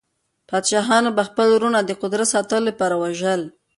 پادشاهانو به خپل وروڼه د قدرت ساتلو لپاره وژل.